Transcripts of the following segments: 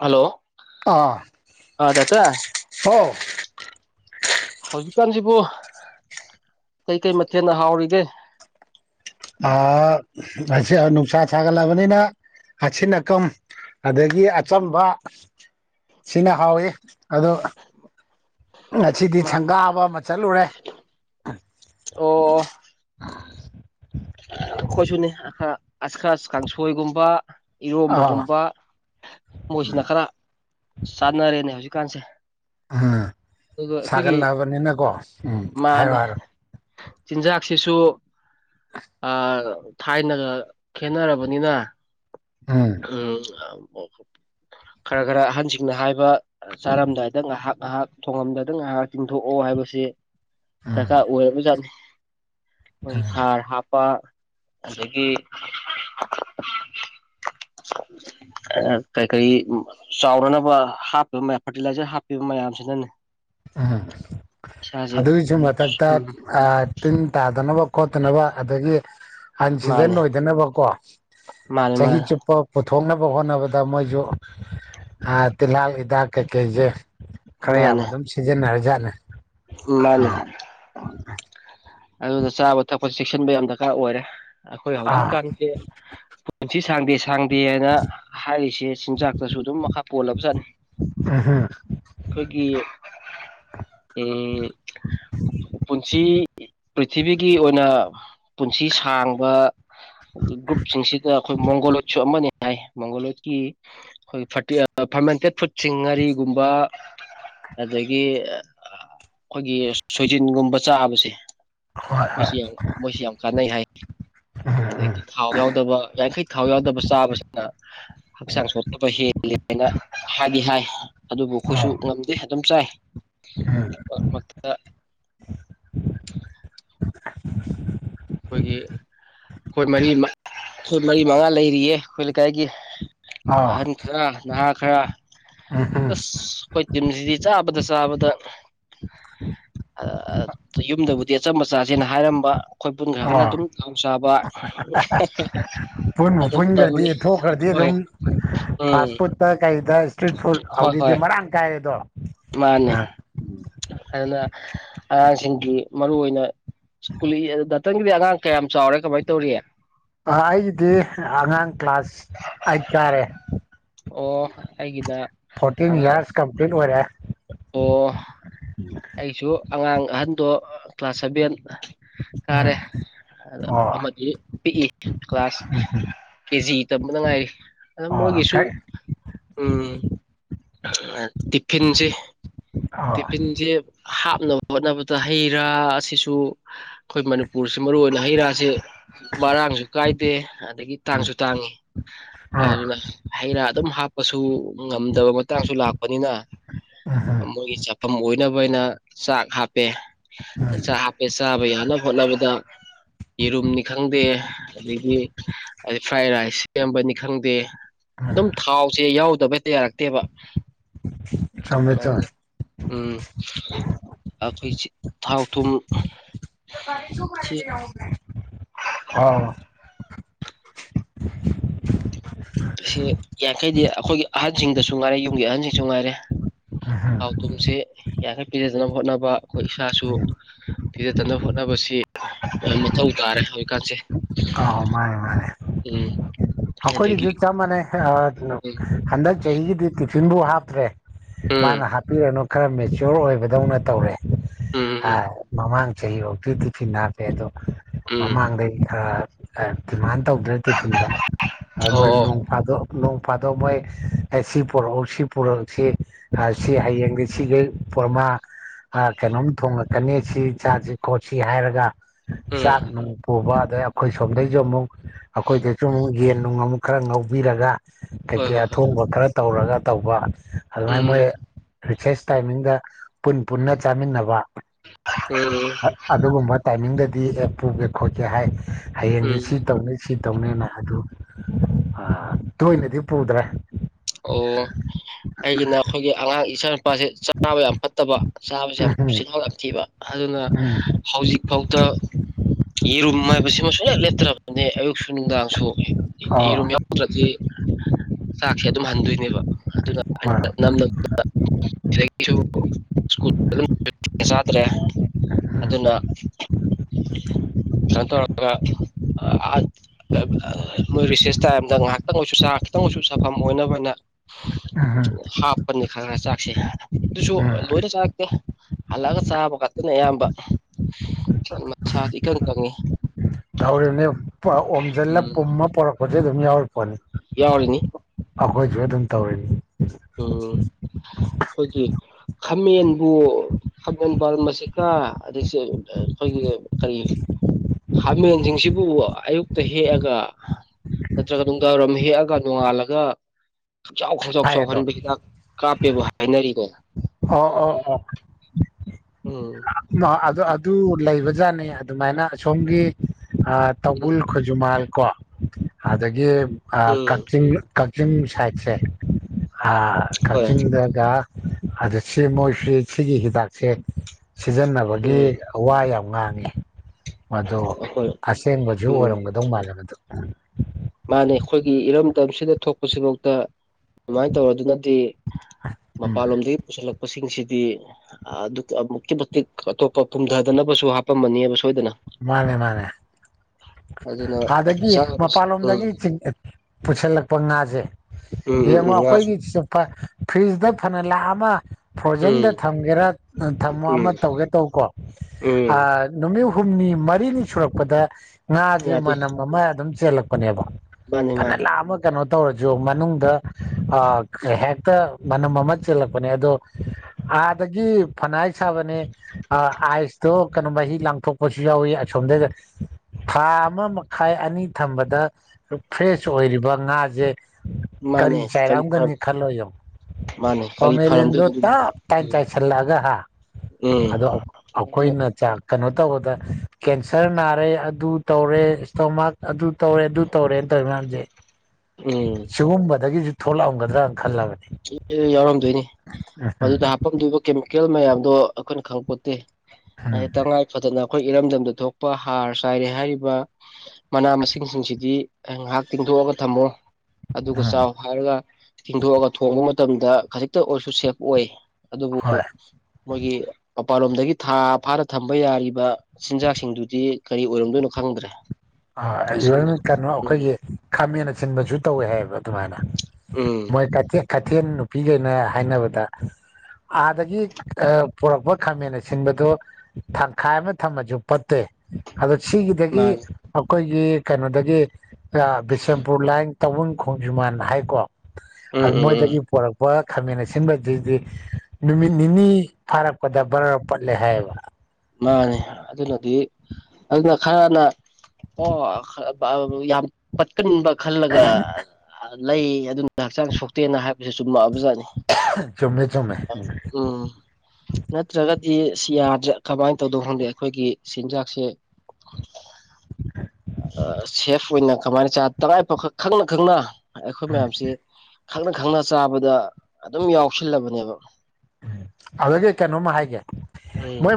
Hello ꯑꯥ ꯑꯥꯗꯠꯇ ꯑꯣ ꯍꯧꯖꯤꯛꯀꯥꯟꯁꯤꯕꯨ ꯀꯩꯀꯩ ꯃꯊꯦꯜꯅ ꯍꯥꯎꯔꯤꯒꯦ ꯑ ꯑꯁꯤ ꯅꯨꯡꯁꯥ ꯁꯥꯒꯠꯂꯕꯅꯤꯅ ꯑꯁꯤꯟ ꯅꯀꯝ ꯑꯗꯒꯤ ꯑꯆꯝꯕ ꯁꯤꯅ ꯍꯥꯎꯋꯤ ꯑꯗꯣ ꯉꯁꯤꯗꯤ ꯃꯥꯅꯦ ꯁꯪꯒꯥꯕ ꯑꯃ ꯆꯠꯂꯨꯔꯦ ꯈꯣꯏꯁꯨꯅꯦ ꯑꯁ ꯈꯔ ꯀꯥꯡꯁꯣꯏꯒꯨꯝꯕ ꯑꯥ ꯏꯔꯣꯝꯕꯒꯨꯝꯕ ꯃꯣꯏꯁꯤꯅ ꯎꯝ ꯈꯔ ꯆꯥꯟꯅꯔꯦꯅꯦ ꯍꯧꯖꯤꯛꯀꯥꯟꯁꯦ ꯎꯝ ꯑꯗꯨꯒ ꯑꯩꯈꯣꯏꯒꯤ ꯁꯥꯒꯠꯂꯛꯑꯕꯅꯤꯅꯀꯣ ꯎꯝ ꯍꯥꯏꯔꯣ ꯃꯥꯅꯦ ꯍꯥꯏꯔꯣ ꯆꯤꯟꯖꯥꯛꯁꯤꯁꯨ ꯊꯥꯏꯅꯒ ꯈꯦꯠꯅꯔꯕꯅꯤꯅ ꯎꯝ [unintelligible] ꯈꯔ ꯈꯔ ꯑꯍꯟꯁꯤꯡꯅ ꯍꯥꯏꯕ ꯆꯥꯔꯝꯗꯥꯏꯗ ꯉꯥꯏꯍꯥꯛ ꯉꯥꯏꯍꯥꯛ ꯊꯣꯡꯉꯝꯗꯥꯏꯗꯪ ꯉꯥꯏꯍꯥꯛ ꯇꯤꯡꯊꯣꯛꯑꯣ ꯍꯥꯏꯕ ꯕꯁꯤ ꯎꯝ ꯗꯔꯀꯥꯔ ꯑꯣꯏꯔꯕꯖꯥꯠꯅꯤ ꯃꯣꯏꯒꯤ ꯎꯝ ꯍꯥꯔ ꯍꯥꯞ ꯄ ꯑꯗꯒꯤ ꯀꯩ ꯀꯩ ꯆꯥꯎꯅꯅꯕ ꯍꯥꯞꯄꯤꯕ ꯃꯌꯥꯝ ꯐꯔꯇꯤꯂꯥꯏꯖꯔ ꯍꯥꯞꯄꯤꯕ ꯃꯌꯥꯝ ꯃꯌꯥꯝ ꯁꯤꯅꯥꯅꯦ ꯎꯝ ꯑꯗꯨꯒꯤꯁꯨ ꯃꯊꯛꯇ ꯎꯝ ꯇꯤꯟ ꯇꯥꯗꯅꯕ ꯈꯣꯠꯇꯅꯕ ꯑꯗꯒꯤ ꯑꯟꯁꯤꯖꯟ ꯃꯥꯅꯦ ꯑꯣꯏꯗꯅꯕꯀꯣ ꯃꯥꯅꯦ ꯆꯍꯤ ꯃꯥꯅꯦ ꯆꯨꯞꯄ ꯊꯣꯛꯅꯕ ꯍꯣꯠꯅꯕꯗ ꯃꯣꯏꯁꯨ ꯇꯤꯜꯍꯥꯥꯛ ꯍꯤꯗꯥꯛ ꯀꯩꯀꯩꯁꯦ ꯈꯔ ꯌꯥꯝ ꯃꯥꯅꯦ ꯑꯗꯨꯝ ꯁꯤꯖꯤꯟꯅꯔꯖꯥꯠꯅꯦ ꯑꯗꯨꯗ ꯆꯥꯕ ꯊꯛꯄꯁ ꯆꯦꯛꯁꯤꯟꯕ ꯌꯥꯝ ꯗꯔꯀꯥꯔ ꯑꯣꯏꯔꯦ ꯑꯩꯈꯣꯏ ꯑꯥ ꯍꯧꯖꯤꯛꯀꯥꯟꯁꯦ ꯄꯨꯟꯁꯤ ꯁꯥꯡꯗꯦ ꯍꯥꯏꯅ ꯍꯥꯏꯔꯤꯁꯦ ꯆꯤꯟꯖꯥꯛꯇꯁꯨ ꯑꯗꯨꯝ ꯃꯈꯥ ꯄꯣꯜꯂꯕ ꯆꯠꯅꯩ ꯎꯝꯍꯨꯝ ꯑꯩꯈꯣꯏꯒꯤ ꯎꯝ ꯄꯨꯟꯁꯤ ꯄ꯭ꯔꯤꯊꯤꯕꯤꯒꯤ ꯑꯣꯏꯅ ꯄꯨꯟꯁꯤ ꯁꯥꯡꯕ ꯒ꯭ꯔꯨꯞꯁꯤꯡꯁꯤꯗ ꯑꯩꯈꯣꯏ ꯃꯣꯡꯒꯣꯂꯣꯠꯁꯨ ꯑꯃꯅꯤ ꯍꯥꯏ ꯃꯪꯒꯣꯂꯣꯠꯀꯤ ꯑꯩꯈꯣꯏꯒꯤ ꯐ ꯐꯥꯔꯃꯦꯟꯇꯦꯠ ꯐꯨꯗꯁꯤꯡ ꯉꯥꯔꯤꯒꯨꯝꯕ ꯑꯗꯒꯤ ꯑꯩꯈꯣꯏꯒꯤ ꯁꯣꯏꯖꯤꯟꯒꯨꯝꯕ ꯆꯥꯕꯁꯦ ꯍꯣꯏ ꯃꯣꯏꯁꯤ ꯌꯥꯝ ꯃꯣꯏꯁꯤ ꯌꯥꯝ ꯀꯥꯟꯅ ꯍꯥꯏ ꯑꯗꯒꯤ ꯊꯥꯎ ꯌꯥꯎꯗꯕ ꯌꯥꯡꯈꯩ ꯊꯥꯎ ꯌꯥꯎꯗꯕ ꯆꯥꯕꯁꯤꯅ ꯍꯛꯆꯥꯡ ꯁꯣꯛꯇꯕ ꯍꯦꯜꯂꯤ ꯑꯩꯅ ꯍꯥꯏꯗꯤ ꯍꯥꯏ ꯑꯗꯨꯕꯨ ꯑꯥ ꯑꯩꯈꯣꯏꯁꯨ ꯉꯝꯗꯦ ꯑꯗꯨꯝ ꯆꯥꯏ ꯃꯔꯛꯇ ꯑꯩꯈꯣꯏꯒꯤ ꯑꯩꯈꯣꯏ ꯃꯔꯤ ꯑꯩꯈꯣꯏ ꯃꯔꯤ ꯃꯉꯥ ꯂꯩꯔꯤꯌꯦ ꯑꯩꯈꯣꯏ ꯂꯩꯀꯥꯏꯒꯤ ꯑꯥ ꯑꯍꯟ ꯈꯔ ꯅꯍꯥ ꯈꯔ ꯎꯝꯍꯨꯝ ꯑꯁ ꯑꯩꯈꯣꯏ ꯇꯤꯝꯁꯤꯗꯤ ꯆꯥꯕꯗ ꯆꯥꯕꯗ ꯌꯨꯝꯗꯕꯨꯗꯤ ꯑꯆꯝꯕꯆꯥꯁꯤꯅ ꯍꯥꯏꯔꯝꯕ ꯑꯩꯈꯣꯏ ꯑꯥ ꯄꯨꯟꯈ꯭ꯔꯒꯅ ꯑꯗꯨꯝ ꯈꯨꯣꯡ ꯆꯥꯕ ꯄꯨꯟꯕꯨ ꯑꯗꯨꯝ ꯄꯨꯟꯈ꯭ꯔꯗꯤ ꯇꯧꯔꯤ ꯊꯣꯛꯈ꯭ꯔꯗꯤ ꯍꯣꯏ ꯑꯗꯨꯝ ꯎꯝ ꯐꯥꯁ ꯐꯨꯗꯠꯇ ꯀꯩꯗ ꯏꯁꯇ꯭ꯔꯤꯠ ꯐꯨꯗ ꯍꯣꯏ ꯍꯧꯖꯤꯛꯇꯤ ꯍꯣꯏ ꯃꯔꯥꯡ ꯀꯥꯏꯌꯦ ꯑꯗꯣ ꯃꯥꯅꯦ ꯑꯗꯨꯅ ꯑꯉꯥꯡꯁꯤꯡꯒꯤ ꯃꯔꯨ ꯑꯣꯏꯅ ꯁꯀꯨ ꯗꯥꯛꯇꯔꯒꯤꯗꯤ ꯑꯉꯥꯡ ꯀꯌꯥꯝ ꯆꯥꯎꯔꯦ ꯀꯃꯥꯏꯅ ꯇꯧꯔꯤꯦ ꯑꯩꯗꯤ ꯑꯉꯥꯡ ꯀ꯭ꯂ ꯀ꯭ꯂꯥꯁ ꯑ ꯇꯔꯦ ꯑꯣ ꯑꯩꯒꯤꯅ ꯐꯣꯔꯇꯤꯟ ꯑꯉꯥꯡ ꯏꯌꯥꯔꯁ ꯀꯝꯄ꯭ꯂꯤꯠ ꯑꯣꯏꯔꯦ ꯑꯣ ꯑꯩꯁꯨ ꯑꯉꯥꯡ ꯑꯍꯟꯗꯣ ꯀ꯭ꯂꯥꯁ ꯁꯚꯦꯟ ꯀꯥꯔꯦ ꯎꯝ ꯑꯗ ꯑꯣ ꯑꯃꯗꯤ ꯄꯤꯛꯏ ꯀ꯭ꯂꯥꯁ ꯀꯦꯖꯤ ꯇꯝꯕꯅ ꯉꯥꯏꯔꯤ ꯑ ꯑꯣ ꯃꯣꯏꯒꯤꯁꯨ ꯀꯩ ꯎꯝ ꯇꯤꯐꯤꯟꯁꯤ ꯑꯣ ꯇꯤꯐꯤꯟꯁꯦ ꯍꯥꯞꯅꯕ ꯍꯣꯠꯅꯕꯗ ꯍꯩ ꯔꯥ ꯑꯁꯤꯁꯨ ꯑꯩꯈꯣꯏ ꯃꯅꯤꯄꯨꯔꯁꯤꯦ ꯃꯔꯨꯑꯣꯏ ꯑꯣꯏꯅ ꯍꯩ ꯔꯥꯁꯦ ꯃꯔꯥꯡꯁꯨ ꯀꯥꯏꯗꯦ ꯑꯗꯒꯤ ꯇꯥꯡꯁꯨ ꯇꯥꯡꯉꯤ ꯎꯝ ꯑꯗꯨꯅ ꯍꯩ ꯔꯥ ꯑꯗꯨꯝ ꯍꯥꯞꯄꯁꯨ ꯉꯝꯗꯕ ꯃꯇꯥꯡꯁꯨ ꯂꯥꯛꯄꯅꯤꯅ ꯑꯣ ꯍ ꯑꯩꯣꯏꯒꯤ ꯆꯥꯐꯝ ꯑꯣꯏꯅꯕꯅ ꯆꯥꯛ ꯍꯥꯞꯄꯦ ꯆꯥꯛ ꯍꯥꯞꯄꯦ ꯆꯥꯕ ꯌꯥꯅꯕ ꯍꯣꯠꯂꯕꯗ ꯌꯦꯔꯨꯝꯅꯤ ꯈꯪꯗꯦ ꯑꯗꯒꯤ ꯐ꯭ꯔꯥꯏ ꯔꯥꯏꯁ ꯁꯦꯝꯕꯅꯤ ꯈꯪꯗꯦ ꯑꯗꯨꯝ ꯊꯥꯎꯁꯦ ꯌꯥꯎꯗꯕꯇ ꯌꯥꯔꯛꯇꯦꯕ ꯆꯃꯦ ꯆꯃꯦ ꯑꯗꯨꯅ ꯎꯝ ꯑꯩꯈꯣꯏ ꯊꯥꯎ ꯊꯨꯝ ꯁꯤ ꯌꯥ ꯑ ꯑꯁꯤ ꯌꯥꯡꯔꯤꯈꯩꯗꯤ ꯑꯩꯈꯣꯏꯒꯤ ꯑꯍꯟꯁꯤꯡꯗꯁꯨ ꯉꯥꯏꯔꯦ ꯌꯨꯝꯒꯤ ꯑꯍꯟꯁꯤꯡꯁꯨ ꯉꯥꯏꯔꯦ ꯊꯥꯎ ꯇꯨꯝꯁꯤ ꯌꯥꯈ ꯄꯤꯖꯗꯅꯕ ꯍꯣꯠꯅꯕ ꯑꯩꯈꯣꯏ ꯏꯁꯥꯁꯨ ꯎꯝ ꯄꯤꯖꯗꯅꯕ ꯍꯣꯠꯅꯕꯁꯤ ꯌꯥꯝ ꯃꯊꯧ ꯇꯥꯔꯦ ꯍꯧꯖꯤꯛꯀꯥꯟꯁꯦ ꯑꯥꯎ ꯃꯥꯅꯦ ꯃꯥꯅꯦ ꯎꯝ ꯍꯈꯣꯏꯗꯤ ꯑꯗꯒꯤ ꯝꯕꯅꯦ ꯎꯝ ꯍꯟꯗꯛ ꯆꯍꯤꯒꯤꯗꯤ ꯇꯤꯐꯤꯟꯕꯨ ꯍꯥꯞꯇ꯭ꯔꯦ ꯎꯝ ꯃꯥꯅ ꯍꯥꯞꯄꯤꯔꯅꯨ ꯈꯔ ꯃꯦꯆꯤꯌꯣꯔ ꯑꯣꯏꯕꯗꯧꯅ ꯇꯧꯔꯦ ꯎꯝ ꯍꯥꯏ ꯃꯃꯥꯡ ꯆꯍꯤꯐꯧꯗꯤ ꯇꯤꯐꯤꯟ ꯍꯥꯞꯄꯦ ꯑꯗꯣ ꯎꯝ ꯃꯃꯥꯡꯗꯩ ꯈꯔ ꯗꯤꯃꯥꯟ ꯇꯧꯗ꯭ꯔꯦ ꯇꯤꯐꯤꯟꯗ ꯑ ꯃꯣꯏ ꯑꯣ ꯅꯣꯡ ꯐꯥꯗꯣꯛ ꯅꯣꯡ ꯐꯥꯗꯣꯛ ꯃꯣꯏ ꯁꯤ ꯄꯨꯔꯛꯎ ꯁꯤ ꯄꯨꯔꯛꯎꯁꯤ ꯁꯤ ꯍꯌꯦꯡꯗꯤ ꯁꯤꯈꯩ ꯄꯣꯔꯃꯥ ꯀꯩꯅꯣꯝ ꯊꯣꯉꯛꯀꯅꯤ ꯁꯤ ꯏ ꯆꯁꯤ ꯈꯣꯠꯁꯤ ꯍꯥꯏꯔꯒ ꯎꯝ ꯆꯥꯛꯅꯣꯡ ꯄꯨꯣꯕꯗ ꯑꯩꯈꯣꯏ ꯁꯣꯝꯗꯩꯁꯨ ꯑꯃꯨꯛ ꯑꯩꯈꯣꯏꯗꯁꯨ ꯑꯃꯨꯛ ꯌꯦꯟ ꯅꯨꯡ ꯑꯃꯨꯛ ꯈꯔ ꯉꯧꯕꯤꯔꯒ ꯍꯣꯏ ꯀꯩꯀꯩ ꯍꯣꯏ ꯍꯣꯏ ꯑꯊꯣꯡꯕ ꯈꯔ ꯇꯧꯔꯒ ꯇꯧꯕ ꯑꯗꯨꯃꯥꯏꯅ ꯎꯝ ꯃꯣꯏ ꯔꯤꯁꯦꯁ ꯇꯥꯏꯃꯤꯡꯗ ꯄꯨꯟ ꯄꯨꯟꯅ ꯆꯥꯃꯤꯟꯅꯕ ꯎꯝ ꯑꯗꯨꯒꯨꯝꯕ ꯇꯥꯏꯃꯤꯡꯗꯗꯤ ꯑꯦ ꯄꯨꯒꯦ ꯈꯣꯠꯀꯦ ꯍꯥꯏ ꯍꯌꯦꯡꯒ ꯁꯤ ꯎꯝ ꯇꯧꯅꯩ ꯁꯤ ꯇꯧꯅꯦꯅ ꯍꯥꯏ ꯇꯣꯏꯅꯗꯤ ꯄꯨꯗ꯭ꯔꯦ ꯑꯣ ꯑꯩꯒꯤꯅ ꯑꯩꯈꯣꯏꯒꯤ ꯑꯉꯥꯡ ꯏꯆꯟ ꯅꯨꯄꯥꯁꯦ ꯆꯥꯕ ꯌꯥꯝ ꯐꯠꯇꯕ ꯆꯥꯕꯁꯦ ꯌꯥꯝ ꯎꯝ ꯁꯤꯊꯥꯎ ꯌꯥꯝ ꯊꯤꯕ ꯑꯗꯨꯅ ꯎꯝ ꯍꯧꯖꯤꯛ ꯐꯥꯎꯗ ꯍꯔꯨ ꯃꯥ ꯄ ꯁꯨꯅꯦ ꯂꯦꯇ꯭ꯔ ꯁ ꯅꯨꯡꯗꯥꯡꯁꯨ ꯎꯝ ꯑꯣ ꯌꯦꯔꯨꯝ ꯌꯥꯎꯗ꯭ꯔꯗꯤ ꯆꯥꯛꯦ ꯍꯟꯗꯣꯏꯅꯦꯕ ꯍꯣꯏ ꯑꯗꯨꯅ ꯁꯤꯁꯨ ꯁꯥꯗ꯭ꯔꯦ ꯎꯝ ꯑꯗꯨꯅ ꯀꯩꯅꯣ ꯇꯧꯔꯒ ꯃꯣꯏ ꯔꯤꯁꯦꯁ ꯇꯥꯏꯝꯗ ꯉꯥꯏꯍꯥꯛꯇꯪ ꯑꯣꯏꯁꯨ ꯆꯥꯛ ꯉꯥꯛꯇꯪ ꯑꯣꯏꯁꯨ ꯆꯥꯐꯝ ꯃꯣꯏꯅ ꯎꯝ ꯍꯥꯞ ꯅꯤ ꯈꯔ ꯈꯔ ꯆꯥꯛꯁꯦ ꯑꯗꯨꯁꯨ ꯎꯝ ꯂꯣꯏꯅ ꯆꯥꯔꯛꯇꯦ ꯍꯜꯂꯛꯑꯒ ꯆꯥꯕ ꯈꯛꯇꯅ ꯑꯌꯥꯝꯕ ꯃꯁꯥꯗꯤ ꯏꯀꯪ ꯈꯪꯉꯤ ꯇꯧꯔꯤꯕꯅꯤ ꯑꯣꯝꯖꯤꯜꯂ ꯄꯨꯝꯃ ꯄꯣꯔꯛꯄꯁ ꯑꯗꯨꯝ ꯌꯥꯎꯔꯛꯄꯅꯤ ꯌꯥꯅꯤ ꯑꯈꯣꯏꯖꯣꯏꯗꯝ ꯇꯧ ꯑꯣꯏꯣꯏ ꯎꯝ ꯑꯩꯈꯣꯏꯒꯤ ꯈꯥꯃꯦꯟꯕꯨ ꯈꯥꯃꯦꯟ ꯄꯔꯟꯁꯤꯀ ꯑꯗꯩꯁꯤ ꯑꯩꯈꯣꯏꯒꯤ ꯀꯔꯤ ꯍꯥꯃꯦꯟꯁꯤꯡꯁꯤꯕꯨ ꯑꯌꯨꯛꯇ ꯍꯦꯛꯑꯒ ꯅꯠꯇ꯭ꯔꯒ ꯅꯨꯡꯗꯥꯡ ꯋꯥꯏꯔꯝ ꯍꯦꯛꯑꯒ ꯅꯣꯡꯉꯥꯜꯂꯒꯈ ꯍꯥꯏꯌꯦꯗꯣ ꯆꯥꯎꯍꯟꯕ ꯍꯤꯗꯥꯛ ꯀꯥꯞꯄꯦꯕꯨ ꯍꯥꯏꯅꯔꯤꯀꯣ ꯑꯣ ꯑꯣ ꯑꯣ ꯎꯝ ꯑꯗꯣ ꯑꯗꯨ ꯂꯩꯕꯖꯥꯠꯅꯤ ꯑꯗꯨꯃꯥꯏꯅ ꯑꯁꯣꯝꯒꯤ ꯎꯝ ꯇꯧꯕꯜ ꯈꯨꯖꯨꯃꯥꯜ ꯀꯣ ꯑꯗꯒꯤ ꯎꯝ ꯀꯛꯆꯤꯡ ꯀꯛꯆꯤꯡ ꯁꯥꯏꯠꯁꯦ ꯍꯣꯏ ꯀꯛꯆꯤꯡꯗꯒ ꯑ ꯁꯤ ꯃꯣꯏꯁꯤ ꯁꯤꯒꯤ ꯍꯤꯗꯥꯛꯁꯦ ꯎꯝ ꯁꯤꯖꯟꯅꯕꯒꯤꯋꯥ ꯌꯥꯝ ꯉꯥꯡꯉꯤ ꯃꯗꯣ ꯑꯩꯈꯣꯏ ꯑꯁꯦꯡꯕꯁꯨ ꯎꯝ ꯑꯣꯏꯔꯝꯒꯗꯧ ꯃꯥꯜꯂꯦꯕꯗ ꯃꯥꯅꯦ ꯑꯩꯈꯣꯏꯒꯤ ꯏꯔꯝꯗꯝꯁꯤꯗ ꯊꯣꯛꯄꯁꯤꯐꯥꯎꯗ ꯑꯗꯨꯃꯥꯏꯅ ꯇꯧꯔꯗꯨꯅꯗꯤ ꯎꯝ ꯃꯄꯥꯟꯂꯣꯝꯗꯒꯤ ꯄꯨꯁꯤꯜꯂꯛꯄꯁꯤꯡꯁꯤ ꯃꯇꯤꯛ ꯑꯇꯣꯞꯄ ꯐꯨꯝꯊꯗꯅꯕꯁꯨ ꯍꯥꯞꯄꯃꯅꯤ ꯃꯥꯅꯦ ꯃꯥꯅꯦ ꯑꯗꯨꯅ ꯑꯗꯒꯤ ꯆꯥꯕꯁꯦ ꯃꯄꯥꯟꯜ ꯎꯝ ꯄꯨꯁꯤꯜꯂꯛꯄ ꯉꯥꯁꯦ ꯎꯝ ꯎꯝ ꯌꯦꯡꯉꯣ ꯎꯝ ꯉꯥꯁꯨ ꯑꯩꯈꯣꯏꯒꯤꯄ ꯐ꯭ꯔꯤꯖꯇ ꯐꯅ ꯂꯥꯛꯑ ꯑꯃ ꯐ꯭ꯔꯣꯖꯟꯗ ꯎꯝ ꯊꯝꯒꯦꯔꯥ ꯊꯝꯃꯣ ꯑꯃ ꯎꯝ ꯇꯧꯒꯦ ꯇꯧ ꯀꯣ ꯎꯝ ꯅꯨꯃꯤꯠ ꯍꯨꯝꯅꯤ ꯃꯔꯤꯅꯤ ꯁꯨꯔꯛꯄꯗ ꯉꯥꯁꯦ ꯌꯥꯗꯦ ꯃꯅꯝ ꯑꯃ ꯑꯗꯨꯝ ꯆꯦꯜꯂꯛꯄꯅꯦꯕ ꯃꯥꯅꯦ ꯐꯅ ꯃꯥꯅꯦ ꯂꯥꯛꯑꯃ ꯀꯩꯅꯣ ꯇꯧꯔꯁꯨ ꯃꯅꯨꯡꯗ ꯍꯦꯛꯇ ꯃꯅꯝ ꯑꯃ ꯆꯦꯜꯂꯛꯄꯅꯦ ꯑꯗꯣ ꯑꯥꯗꯒꯤ ꯐꯅ ꯁꯥꯕꯅꯦ ꯑꯥꯏꯁꯇꯣ ꯀꯩꯅꯣ ꯃꯍꯤ ꯂꯥꯡꯊꯣꯛ ꯀꯁꯨ ꯌꯥꯎꯏꯤ ꯑꯁꯣꯝꯗꯩꯗ ꯊꯥ ꯑꯃ ꯈꯥꯏ ꯑꯅꯤ ꯊꯝꯕꯗ ꯐ꯭ꯔꯦꯁ ꯑꯣꯏꯔꯤꯕ ꯉꯥꯁꯦ ꯀꯔꯤ ꯃꯥꯅꯦ ꯐꯥꯔꯝ ꯆꯥꯏꯔꯑꯝꯒꯅꯤ ꯈꯜꯂꯣ ꯌꯦꯡꯉ ꯃꯥꯅꯦ ꯀꯔꯤ ꯐꯥꯔꯝꯗꯣꯏꯅꯣ ꯑꯗꯨꯅ ꯀꯃꯤꯗꯨꯠꯇ ꯇ ꯆꯁꯜ ꯂꯒ ꯍꯥ ꯎꯝ ꯑꯗꯣ ꯎꯝ ꯑꯩꯈꯣꯏꯅ ꯆꯥꯛ ꯀꯩꯅꯣ ꯇꯧꯕꯗ ꯀꯦꯟꯁꯔ ꯅꯥꯔꯦ ꯑꯗꯨ ꯇꯧꯔꯦ ꯏꯁꯇꯣꯃꯥꯛ ꯑꯗꯨ ꯇꯧꯔꯦ ꯑꯗꯨ ꯇꯧꯔꯦꯅ ꯇꯧꯋꯦ ꯃꯌꯥꯝꯁꯦ ꯎꯝ ꯁꯤꯒꯨꯝꯕꯗꯒꯤꯁꯨ ꯊꯣꯛꯂꯛꯑꯝꯒꯗ꯭ꯔꯅ ꯈꯜꯂꯒ ꯌꯥꯎꯔꯝꯗꯣꯏꯅꯤ ꯃꯗꯨꯗ ꯎꯝ ꯍꯥꯄꯝꯗꯣꯏ ꯀꯀꯦꯜ ꯃꯌꯥꯝꯗꯣ ꯑꯩꯈꯣꯏꯅ ꯈꯪꯕꯄꯣꯠꯇꯦ ꯍꯥꯏꯗꯤ ꯎꯝ ꯇꯉꯥꯏ ꯐꯗꯅ ꯑꯩꯈꯣꯏ ꯏꯔꯝꯗꯝꯗ ꯊꯣꯛꯄ ꯍꯥꯔ ꯆꯥꯏꯔꯦ ꯍꯥꯏꯔꯤꯕ ꯃꯅꯥ ꯃꯁꯤꯡꯁꯤꯡꯁꯤꯗꯤ ꯉꯥꯏꯍꯥꯛ ꯇꯤꯡꯊꯣꯛꯑꯒ ꯊꯝꯃꯣ ꯑꯗꯨꯒ ꯆꯥꯎ ꯎꯝ ꯍꯥꯏꯔꯒ ꯆꯤꯡꯊꯣꯛꯑꯒ ꯊꯣꯡꯕ ꯃꯇꯝꯗ ꯈꯖꯤꯛꯇ ꯑꯣꯏꯔꯁꯨ ꯁꯦꯐ ꯑꯣꯏ ꯑꯗꯨꯕꯨ ꯍꯣꯏ ꯃꯣꯏꯒꯤ ꯃ ꯄꯄꯥꯂꯣꯝꯗꯒꯤ ꯊꯥ ꯐꯥꯅ ꯊꯝꯕ ꯌꯥꯔꯤꯕ ꯆꯤꯟꯖꯥꯛꯁꯤꯡꯗꯨꯗꯤ ꯀꯔꯤ ꯑꯣꯏꯔꯝꯗꯣꯏꯅꯣ ꯈꯪꯗ꯭ꯔꯦ ꯑ ꯏꯚꯟ ꯃꯁꯤꯅ ꯀꯩꯅꯣ ꯎꯝ ꯑꯩꯈꯣꯏꯒꯤ ꯈꯥꯃꯦꯟ ꯑꯁꯤꯟꯕꯁꯨ ꯇꯧꯋꯦ ꯍꯥꯏꯕ ꯑꯗꯨꯃꯥꯏꯅ ꯎꯝ ꯃꯣꯏ ꯀꯩꯊ ꯀꯩꯊꯦꯜ ꯅꯨꯄꯤꯈꯩꯅ ꯍꯥꯏꯅꯕꯗ ꯑꯥꯗꯒꯤ ꯄꯣꯔꯛꯄ ꯈꯥꯃꯟꯅ ꯑꯁꯤꯟꯕꯗꯨ ꯊꯪꯈꯥꯏ ꯑꯃ ꯊꯝꯃꯁꯨ ꯄꯠꯇꯦ ꯑꯗꯨ ꯁꯤꯒꯤꯗꯒꯤ ꯃꯥꯅꯤ ꯑꯩꯈꯣꯏꯒꯤ ꯀꯩꯅꯣꯗꯒꯤ ꯕꯤꯁꯦꯝꯄꯨꯔ ꯂꯥꯏꯌꯦꯡ ꯇꯥꯧꯕꯟ ꯈꯣꯡꯖꯨꯃꯥꯟ ꯍꯥꯏꯀꯣ ꯎꯝ ꯑꯗꯨ ꯎꯝ ꯎꯝ ꯃꯣꯏꯗꯒꯤ ꯄꯣꯔꯛꯄ ꯈꯥꯃꯦꯟ ꯑꯁꯤꯟꯕꯕꯁꯤꯗꯤ ꯅꯨꯃꯤꯠ ꯅꯤꯅꯤ ꯐꯥꯔꯛꯄꯗ ꯕꯔꯔ ꯄꯠꯂꯦ ꯍꯥꯏꯌꯦꯕ ꯃꯥꯅꯦ ꯑꯗꯨꯅꯗꯤ ꯑꯗꯨꯅ ꯈꯔꯅ ꯑꯣ ꯌꯥꯝ ꯄꯠꯀꯟꯕ ꯈꯜꯂꯒ ꯂꯩ ꯑꯗꯨꯅ ꯍꯛꯆꯥꯡ ꯁꯣꯛꯇꯦꯅ ꯍꯥꯏꯕꯕꯁꯤ ꯆꯨꯝꯃꯛꯑ ꯖ ꯆꯨꯝꯃꯦ ꯆꯨꯝꯃꯦ ꯎꯝ ꯅꯠꯇ꯭ꯔꯒꯗꯤ ꯁꯤ ꯌꯥꯗ꯭ꯔꯦ ꯀꯃꯥꯏꯅ ꯇꯧꯗꯧ ꯈꯣꯗꯦ ꯑꯩꯈꯣꯏꯒꯤ ꯆꯤꯟꯖꯥꯛꯁꯦ ꯁꯦꯐ ꯑꯣꯏꯅ ꯀꯃꯥꯏꯅ ꯇꯉꯥꯏ ꯐ ꯈꯪꯅ ꯈꯪꯅ ꯑꯩꯈꯣꯏ ꯃꯌꯥꯝꯁꯤ ꯈꯪꯅ ꯈꯪꯅ ꯆꯥꯕꯗ ꯑꯗꯨꯝ ꯌꯥꯎꯁꯜꯂꯕꯅꯦꯕ ꯑꯗꯨꯗꯒꯤ ꯀꯩꯅꯣꯝꯃ ꯍꯥꯏꯒꯦ ꯎꯝ ꯃꯣꯏ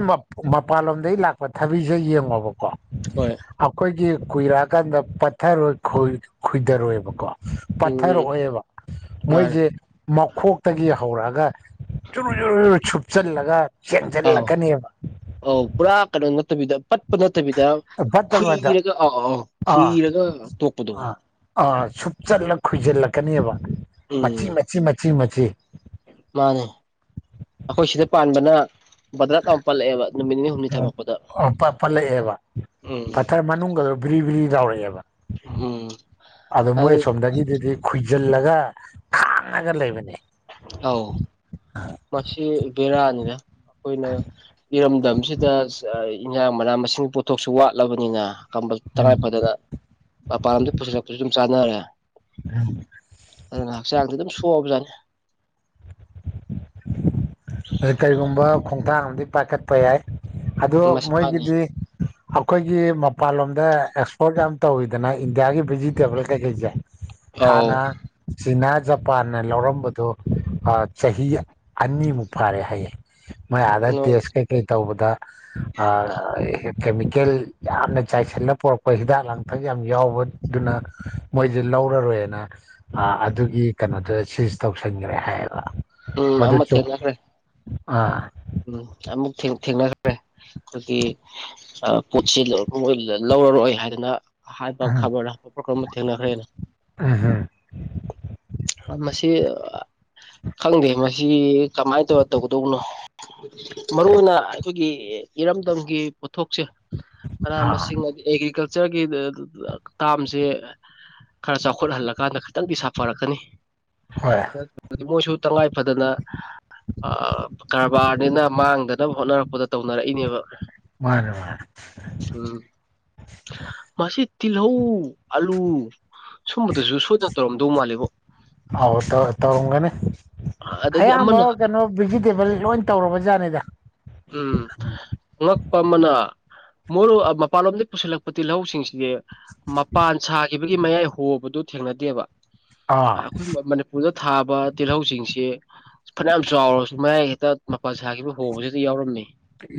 ꯃꯄꯥꯟꯂꯣꯝꯗꯒꯤ ꯂꯥꯛꯄ ꯊꯕꯤꯁꯦ ꯌꯦꯡꯉꯣꯕꯀꯣ ꯍꯣꯏ ꯑꯩꯈꯣꯏꯒꯤ ꯀꯨꯏꯔꯛꯑꯀꯥꯟꯗ ꯄꯠꯊꯔꯣꯏ ꯈꯣꯏꯊꯔꯣꯏꯕꯀꯣ ꯎꯝ ꯎꯝ ꯄꯠꯊꯔꯛꯑꯣꯕ ꯃꯥꯅꯦ ꯃꯣꯏꯁꯦ ꯃꯈꯣꯛꯇꯒꯤ ꯍꯧꯔꯛꯑꯒ ꯆꯨꯔꯨ ꯆꯨꯔꯨꯔ ꯁꯨꯞꯆꯜꯂꯒ ꯑꯥꯎ ꯆꯦꯟꯁꯤꯜꯂꯛꯀꯅꯦꯕ ꯑꯥꯎ ꯄꯨꯔꯥ ꯀꯩꯅꯣ ꯅꯠꯇꯕꯤꯗ ꯄꯠꯄ ꯅ ꯐꯠꯇꯕꯤꯗ ꯐꯠꯇꯕꯗ ꯈꯨꯏꯔꯒ ꯑꯥꯎ ꯑꯥꯎ ꯈꯨꯏꯔꯒ ꯇꯣꯛꯄꯗꯣ ꯑ ꯁꯨꯞꯆꯠꯂ ꯈꯣꯏꯁꯤꯜꯂꯛꯀꯅꯦꯕ ꯃꯆꯤ ꯎꯝ ꯃꯆꯤ ꯃꯆꯤ ꯃꯆꯤ ꯃꯥꯅꯦ ꯑꯩꯈꯣꯏ ꯁꯤꯗ ꯄꯥꯟꯕꯅ ꯕꯗ꯭ꯔꯥ ꯇꯥꯎꯛ ꯄꯜꯂꯛꯑꯦꯕ ꯅꯨꯃꯤꯠ ꯅꯤꯅꯤ ꯍꯨꯝꯅꯤ ꯊꯃꯛꯄꯗ ꯄꯠꯂꯛꯑꯦꯕ ꯄꯠꯊꯔ ꯃꯅꯨꯡꯗꯗꯣ ꯕ꯭ꯔꯤ ꯕ꯭ꯔꯤ ꯇꯎꯔꯛꯑꯦꯕ ꯎꯝ ꯑꯗ ꯃꯣꯏ ꯑꯗꯨ ꯁꯣꯝꯗꯒꯤꯗꯨꯗꯤ ꯖꯤꯜꯂꯒ ꯈꯥꯡꯉꯒ ꯂꯩꯕꯅꯦ ꯑꯥꯎ ꯃꯁꯤꯁꯤ ꯕꯦꯔꯥꯅꯤꯅ ꯑꯩꯈꯣꯏꯅ ꯏꯔꯝꯗꯝꯁꯤꯗ ꯏꯟꯍꯥꯡ ꯃꯅꯥ ꯃꯁꯤꯡ ꯄꯣꯠꯊꯣꯛꯁꯨ ꯋꯥꯠꯂꯕꯅꯤꯅ ꯀꯝꯕꯜ ꯇꯉꯥꯏ ꯐꯗꯅ ꯃꯄꯥꯟ ꯂꯝꯗ ꯄꯨꯁꯤꯜꯂꯛꯄꯁꯨ ꯑꯗꯨꯝ ꯆꯥꯟꯅꯔꯦ ꯑꯗꯨ ꯉꯛꯆꯥꯡꯗꯤ ꯑꯗꯨꯝ ꯁꯣꯕꯖꯥꯅꯤ ꯑ ꯀꯔꯤꯒꯨꯝꯕ ꯈꯣꯡꯊꯥꯡ ꯑꯃꯗꯤ ꯄꯥꯏꯈꯠꯄ ꯌꯥꯏ ꯑꯣ ꯃꯁꯤ ꯃꯥꯅꯤ ꯃꯣꯏꯒꯤꯗꯤ ꯑꯩꯈꯣꯏꯒꯤ ꯃꯄꯥꯟꯂꯣꯝꯗ ꯑꯦꯛꯁꯄꯣꯔꯠ ꯌꯥꯝ ꯇꯧꯋꯤꯗꯅ ꯏꯟꯗꯤꯌꯥꯒꯤ ꯚꯤꯖꯤꯇꯦꯕꯜ ꯀꯩꯀꯩꯁꯦ ꯑꯧ ꯍꯥꯟꯅ ꯆꯅꯥ ꯖꯄꯥꯟꯅ ꯂꯧꯔꯝꯕꯗꯣ ꯆꯍꯤ ꯑꯅꯤꯃꯨꯛ ꯐꯥꯔꯦ ꯍꯥꯏꯌꯦ ꯃ ꯑꯥꯗ ꯇꯦꯁ ꯀꯩꯀꯩ ꯇꯧꯕꯗ ꯑ ꯀꯦꯃꯤꯀꯦꯜ ꯌꯥꯝꯅ ꯆꯥꯏꯁꯤꯜꯂ ꯄꯨꯣꯔꯛꯄ ꯍꯤꯗꯥꯛ ꯂꯥꯡꯊꯛ ꯌꯥꯝ ꯌꯥꯎꯕꯗꯨꯅ ꯃꯣꯏꯁꯦ ꯇꯧꯔꯔꯣꯏꯅ ꯑꯗꯨꯒꯤ ꯀꯩꯅꯣꯗꯨ ꯁꯤꯖ ꯇꯧꯁꯟꯈ꯭ꯔꯦ ꯍꯥꯏꯌꯦꯕ ꯎꯝ ꯃꯗꯨ ꯑꯃ ꯊ ꯆꯨꯝ ꯍꯒꯔꯦ ꯑꯥ ꯎꯝ ꯑꯃꯨꯛ ꯊꯦꯡꯅꯈ꯭ꯔꯦ ꯑꯩꯈꯣꯏꯒꯤ ꯄꯣꯠꯁꯤ ꯄꯔꯔꯣꯏ ꯍꯥꯏꯗꯅ ꯍꯥꯏꯕ ꯎꯝ ꯈꯕꯔ ꯀꯔꯝꯕ ꯊꯦꯡꯅꯈ꯭ꯔꯦꯅ ꯎꯝ ꯃꯁꯤ ꯑ ꯈꯪꯗꯦ ꯃꯁꯤ ꯀꯃꯥꯏ ꯇꯧꯔ ꯇꯧꯗꯧꯅꯣ꯫ ꯃꯔꯨ ꯑꯣꯏꯅ ꯑꯩꯈꯣꯏꯒꯤ ꯏꯔꯝꯗꯝꯒꯤ ꯊꯣꯛꯁꯦ ꯃꯅꯥ ꯑꯥ ꯃꯁꯤꯡ ꯑꯦꯒ꯭ꯔꯤꯀꯜꯆꯔꯒꯤ ꯇꯥꯝꯁꯦ ꯈꯔ ꯆꯥꯎꯈꯠꯍꯜꯂꯀꯥꯟꯗ ꯈꯇꯪꯗꯤ ꯁꯥꯐꯔꯛꯀꯅꯤ ꯍꯣꯏ [unintelligible] ꯃꯣꯏꯁꯨ ꯇꯉꯥꯏ ꯐꯗꯅ ꯑ‌ ꯕꯥꯔꯅꯤꯅ ꯃꯥꯡꯗꯅꯕ ꯍꯣꯠꯅꯔꯛꯄꯗ ꯇꯧꯅꯔꯛꯏꯅꯦꯕ ꯃꯥꯅꯦ ꯃꯥꯅꯦ ꯎꯝ ꯃꯁꯤ ꯇꯤꯜꯍꯧ ꯑꯂꯨ ꯁꯨꯝꯕꯗꯁꯨ ꯁꯣꯏꯗ ꯇꯧꯔꯝꯗꯧ ꯃꯥꯜꯂꯦꯕꯣ꯫ ꯑꯧ ꯇꯧ ꯇꯧꯔꯝꯒꯅꯤ꯫ ꯑꯗꯒꯤ ꯑꯌꯥꯝꯕ ꯑꯃꯅ ꯀꯅꯣ ꯚꯤꯖꯤꯇꯦꯕꯜ ꯂꯣꯏ ꯇꯧꯔꯕ ꯖꯥꯠꯅꯤꯗ ꯎꯝ ꯑꯉꯛꯄ ꯑꯃꯅ ꯃꯣꯏ ꯃꯄꯥꯟꯂꯣꯝꯗꯩ ꯄꯨꯁꯤꯜꯂꯛꯄ ꯇꯤꯜꯍꯧꯁꯤꯡꯁꯤ [unintelligible] ꯃꯄꯥꯟ ꯁꯥꯈꯤꯕꯒꯤ ꯃꯌꯥꯏ ꯍꯣꯕꯗꯨ ꯊꯦꯡꯅꯗꯦꯕ ꯑ ꯑꯥ ꯑꯈꯣꯏ ꯃ ꯃꯅꯤꯄꯨꯔꯗ ꯊꯥꯕ ꯇꯤꯜꯍꯧꯁꯤꯡꯁꯤ ꯐꯅꯌꯥꯝ ꯆꯥꯎꯔꯁꯨ ꯃꯌꯥꯏ ꯍꯦꯇ ꯃꯄꯥꯜ ꯁꯥꯈꯤꯕ ꯍꯣꯡꯕꯁꯤ [unintelligible] ꯌꯥꯎꯔꯝꯃꯤ꯫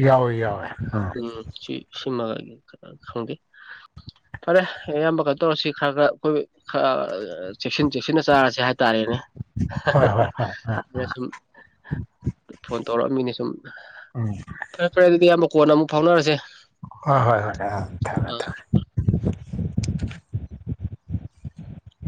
ꯌꯥꯎꯋꯦ ꯌꯥꯎꯋꯦ ꯑ ꯎꯝ [unintelligible] ꯈꯪꯗꯦ ꯐꯔꯦ ꯑꯌꯥꯝꯕ ꯀꯩꯅꯣ ꯇꯧꯔꯁꯤ ꯈꯔ ꯈꯔ ꯑꯩꯈꯣꯏ ꯈꯔ ꯆꯦꯛꯁꯤꯟ ꯆꯦꯛꯁꯤꯟꯅ ꯆꯥꯔꯁꯤ ꯍꯥꯏꯦ ꯇꯥꯔꯦꯅꯦ ꯍꯣꯏ ꯍꯥꯍꯥꯍꯥ ꯍꯣꯏ ꯍꯣꯏ ꯑꯥ ꯑꯩꯅ ꯁꯨꯝ ꯐꯣꯟ ꯇꯧꯔꯛꯑꯝꯃꯤꯅꯦ ꯁꯨꯝ ꯎꯝ ꯐꯔꯦ ꯐꯔꯦ ꯑꯗꯨꯗꯤ ꯀꯣꯟꯅ ꯑꯃꯨꯛ ꯐꯥꯎꯅꯔꯁꯦ ꯍꯣꯏ ꯍꯣꯏ ꯍꯣꯏ ꯑ ꯊꯝꯃꯦ ꯑ ꯊꯝꯃꯦ꯫ [inaudible]